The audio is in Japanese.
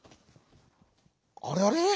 「あれあれ？